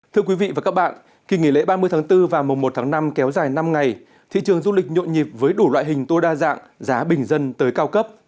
thưa quý vị và các bạn kỳ nghỉ lễ ba mươi tháng bốn và mùa một tháng năm kéo dài năm ngày thị trường du lịch nhộn nhịp với đủ loại hình tour đa dạng giá bình dân tới cao cấp